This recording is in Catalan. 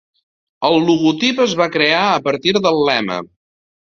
El logotip es va crear a partir del lema.